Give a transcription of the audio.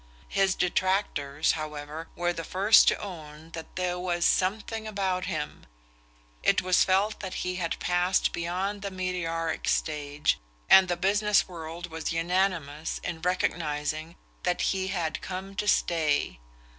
His detractors, however, were the first to own that there was "something about him"; it was felt that he had passed beyond the meteoric stage, and the business world was unanimous in recognizing that he had "come to stay."